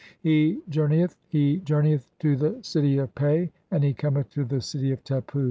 He journeyeth, he journeyeth to the city of "Pe, and he cometh to the city of Tepu."